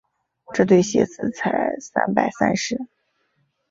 这对鞋子才三百三十。